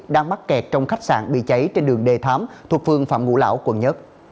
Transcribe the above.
đang mắc kẹt trong khách sạn bị cháy trên đường đề thám thuộc phương phạm ngũ lão quận một